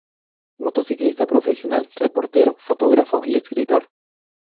Motociclista profesional, reportero, fotógrafo y escritor.